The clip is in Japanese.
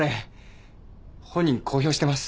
本人公表してます。